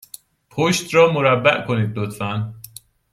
پشت را مربع کنید، لطفا.